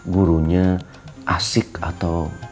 gurunya asik atau